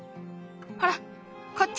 ほらこっち！